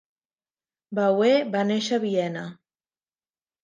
Bauer va néixer a Viena.